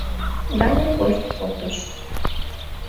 Даник воштыл колтыш.